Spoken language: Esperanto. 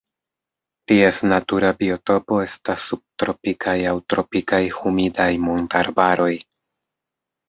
Ties natura biotopo estas subtropikaj aŭ tropikaj humidaj montarbaroj.